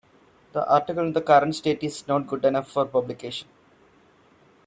The article in the current state is not good enough for publication.